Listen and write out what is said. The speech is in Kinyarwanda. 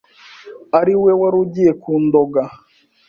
ariwe wari ugiye kundoga.”